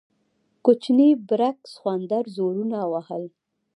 کوچني برګ سخوندر زورونه وهل.